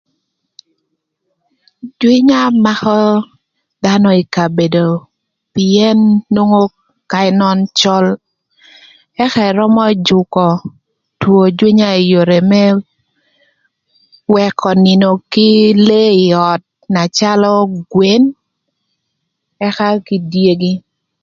Jwïnya makö dhanö ï kabedo pïën nwongo kany nön cöl, ëka ërömö jükö two jwïnya ï yore më wëkö nïnö kï lee ï öt na calö gwen, ëka kï dyegi.